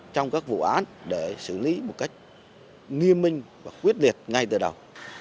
trong các vụ án để xử lý một cách nghiêm minh và quyết liệt ngay từ đầu